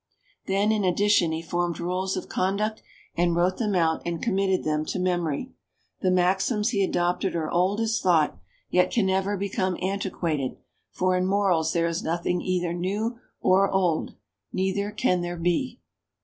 Then, in addition, he formed rules of conduct and wrote them out and committed them to memory. The maxims he adopted are old as thought, yet can never become antiquated, for in morals there is nothing either new or old, neither can there be.